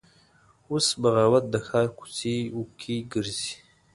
اوس بغاوت د ښار کوڅ وکې ګرځي